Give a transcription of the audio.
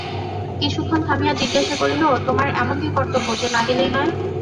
কিছুক্ষণ থামিয়া জিজ্ঞাসা করিল, তোমার এমন কী কর্তব্য যে না গেলেই নয়।